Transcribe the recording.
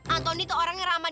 antoni tuh orangnya ramah